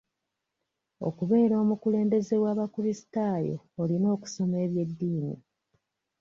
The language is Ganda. Okubeera omukulembeze w'abakulisitaayo olina okusoma ebyeddiini.